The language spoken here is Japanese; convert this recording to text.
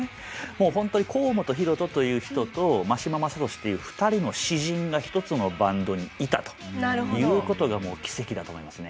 もうホントに甲本ヒロトという人と真島昌利っていう２人の詩人が一つのバンドにいたということがもう奇跡だと思いますね。